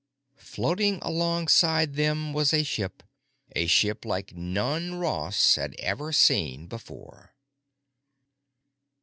Floating alongside them was a ship, a ship like none Ross had ever seen before.